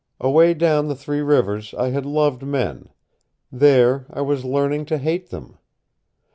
Away down the Three Rivers I had loved men. There I was learning to hate them.